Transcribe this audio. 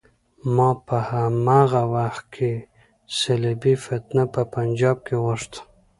ما په هماغه وخت کې صلیبي فتنه په پنجاب کې غوښته.